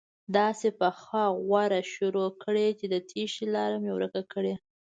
داسې پخه غوره شروع کړي چې د تېښتې لاره مې ورکه کړي.